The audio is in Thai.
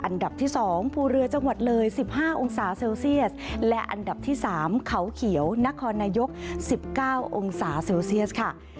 ๑๕องศาเซลเซียสและอันดับที่๓เขาเขียวนครนายก๑๙องศาเซลเซียสค่ะ